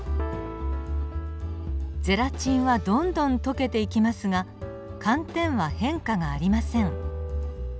ゼラチンはどんどん溶けていきますが寒天は変化がありません。